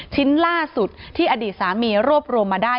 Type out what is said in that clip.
ชิ้นล่าสุดที่อดีตสามีรวบรวมมาได้